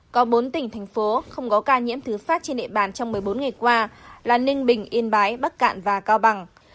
có bốn tỉnh thành phố không có ca nhiễm thứ phát trên địa bàn trong một mươi bốn ngày qua là ninh bình yên bái bắc cạn và cao bằng